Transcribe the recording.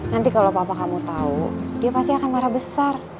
nanti kalau papa kamu tahu dia pasti akan marah besar